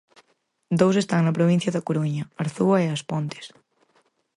Dous están na provincia da Coruña: Arzúa e As Pontes.